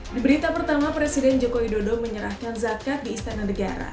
di berita pertama presiden joko widodo menyerahkan zakat di istana negara